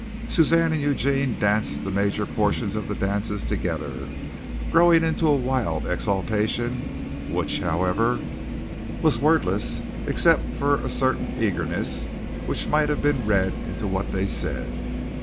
Suzanne and Eugene danced the major portions of the dances together, growing into a wild exaltation, which, however, was wordless except for a certain eagerness which might have been read into what they said.